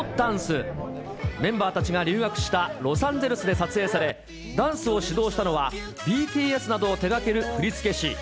メンバーたちが留学したロサンゼルスで撮影され、ダンスを指導したのは、ＢＴＳなどを手がける振付師。